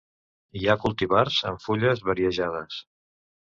Hi ha cultivars amb fulles variegades.